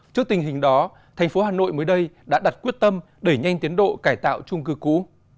trước tình hình đó thành phố hà nội mới đây đã đặt quyết tâm đẩy nhanh tiến độ cải tạo trung cư cũ